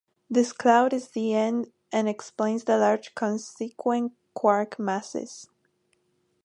This cloud in the end explains the large constituent-quark masses.